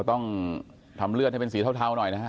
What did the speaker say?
ต้องทำเลือดให้เป็นสีเทาหน่อยนะฮะ